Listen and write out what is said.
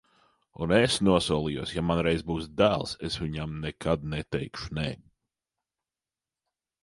Un es nosolījos: ja man reiz būs dēls, es viņam nekad neteikšu nē.